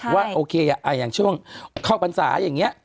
ว่าโอเคอย่างช่วงเข้าพรรษาอย่างนี้